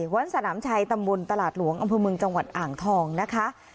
วัดสนามชัยตำบลตลาดหลวงอำเภอเมืองจังหวัดอ่างทองนะคะ